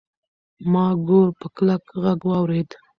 ما ګور په کلک غږ واورېد.